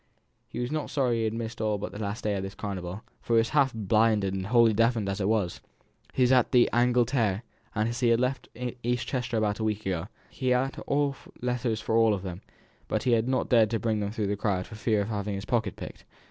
He was not sorry he had missed all but this last day of carnival, for he was half blinded and wholly deafened, as it was. He was at the "Angleterre;" he had left East Chester about a week ago; he had letters for all of them, but had not dared to bring them through the crowd for fear of having his pocket picked.